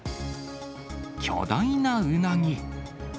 巨大なウナギ。